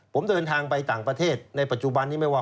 ผมเดินทางไปต่างประเทศในปัจจุบันนี้ไม่ว่า